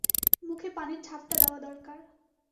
মুখে পানির ঝাপটা দেওয়া দরকার।